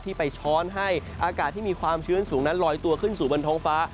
ไปช้อนให้อากาศที่มีความชื้นสูงนั้นลอยตัวขึ้นสู่บนท้องฟ้า